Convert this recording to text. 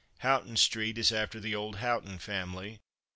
Houghton street is after the old Houghton family.